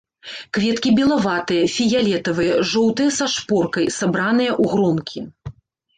Кветкі белаватыя, фіялетавыя, жоўтыя са шпоркай, сабраныя ў гронкі.